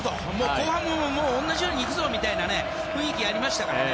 後半も同じようにいくぞというような雰囲気がありましたからね。